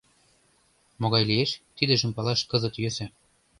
Могай лиеш, тидыжым палаш кызыт йӧсӧ.